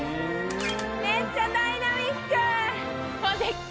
めっちゃダイナミック！でっか！